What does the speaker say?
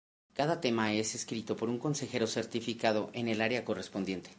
Cada tema es escrito por un consejero certificado en el área correspondiente.